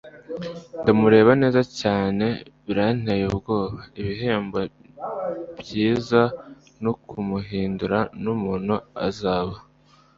ndamureba neza cyane biranteye ubwoba, ibihembo byiza nukumuhindura mumuntu azaba